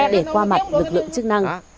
để qua mặt lực lượng chức năng